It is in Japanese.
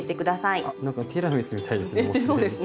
なんかティラミスみたいですね。